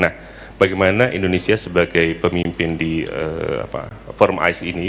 nah bagaimana indonesia sebagai pemimpin di forum ice ini